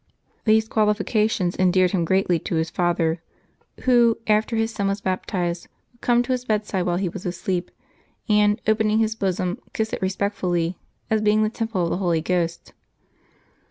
These qualifications endeared him greatly to his father, who, after his son was baptized, would come to his bedside while he was asleep, and, opening his bosom, kiss it respectfully, as being the temple of the Holy Ghost.